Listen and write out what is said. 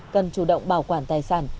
cần chủ động bảo quản tài sản